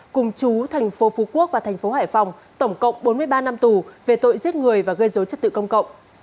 cùng chú thành phố phú quốc và thành phố hải phòng tổng cộng bốn mươi ba năm tù về tội giết người và gây dối chất tự công cộng